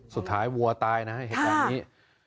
สุดท้ายวัวตายนะให้เห็นตอนนี้